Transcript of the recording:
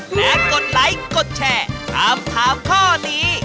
และกดไลค์กดแชร์ถามถามข้อนี้